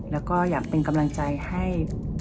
แล้วก็อยากเป็นกำลังใจให้